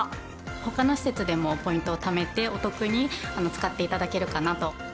ほかの施設でもポイントをためて、お得に使っていただけるかなと。